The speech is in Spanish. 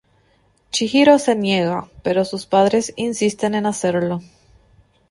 Chihiro se niega, pero sus padres insisten en hacerlo.